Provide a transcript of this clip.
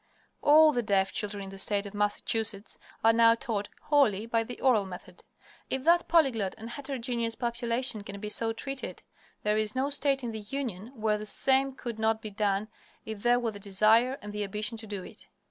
All the deaf children in the State of Massachusetts are now taught wholly by the oral method. If that polyglot and heterogeneous population can be so treated, there is no state in the Union where the same could not be done if there were the desire and the ambition to do it.